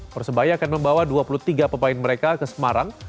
persebaya akan membawa dua puluh tiga pemain mereka ke semarang